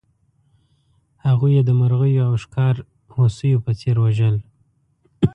هغوی یې د مرغیو او ښکار هوسیو په څېر وژل.